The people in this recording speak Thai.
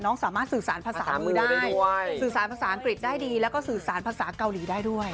สามารถสื่อสารภาษามือได้สื่อสารภาษาอังกฤษได้ดีแล้วก็สื่อสารภาษาเกาหลีได้ด้วย